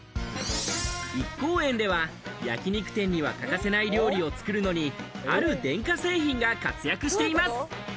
一幸園では焼き肉店には欠かせない料理を作るのにある電化製品が活躍しています。